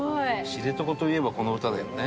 知床といえばこの歌だよね。